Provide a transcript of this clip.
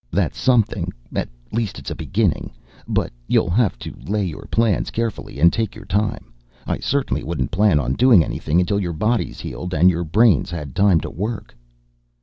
That's something, at least. It's a beginning, but you'll have to lay your plans carefully, and take your time. I certainly wouldn't plan on doing anything until your body's healed and your brain's had time to work."